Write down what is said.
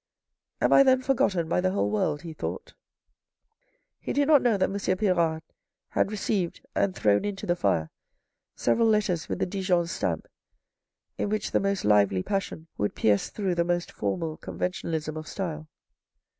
" Am I then forgotten by the whole world," he thought. He did not know that M. Pirard had received and thrown into the fire several letters with the Dijon stamp in which the most lively passion would pierce through the most formal con ventionalism of style.